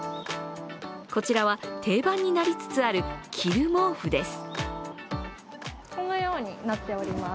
こちらは、定番になりつつある着る毛布です。